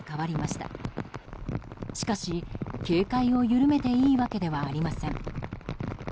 しかし、警戒を緩めていいわけではありません。